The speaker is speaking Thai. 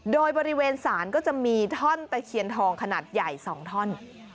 โดยบริเวณศาลก็จะมีท่อนตะเคียนทองขนาดใหญ่๒ท่อน